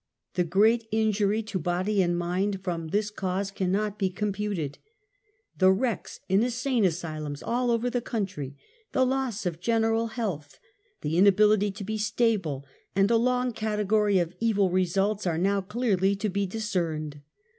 The great in jury to body and mind from this cause cannot be computed. The wrecks in insane asylums all over the country, the loss of general health, the inability to be stable, and a long category of evil results are now clearly to be discerned.